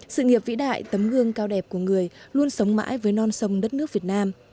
sự nghiệp vĩ đại tấm gương cao đẹp của người luôn sống mãi với non sông đất nước việt nam